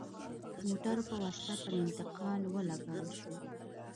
موټرو په واسطه پر انتقال ولګول شوې.